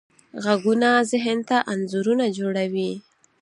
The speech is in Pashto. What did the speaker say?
غږونه ذهن ته انځورونه جوړوي.